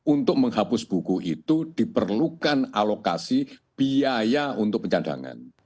untuk menghapus buku itu diperlukan alokasi biaya untuk pencadangan